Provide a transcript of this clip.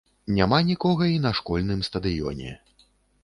Няма нікога і на школьным стадыёне.